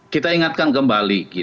kita ingatkan kembali